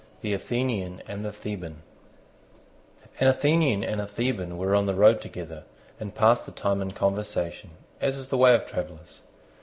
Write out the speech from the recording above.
THE ATHENIAN AND THE THEBAN An Athenian and a Theban were on the road together, and passed the time in conversation, as is the way of travellers.